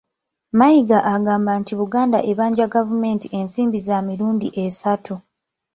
Mayiga agamba nti Buganda ebanja gavumenti ensimbi za mirundi esatu